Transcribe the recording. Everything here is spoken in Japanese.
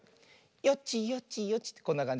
よちよちよちってこんなかんじね。